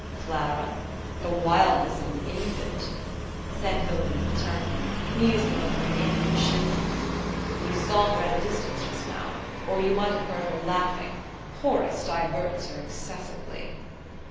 "Clara? The wildness of an infant!" said Willoughby, paternally, musing over an inward shiver. "You saw her at a distance just now, or you might have heard her laughing. Horace diverts her excessively."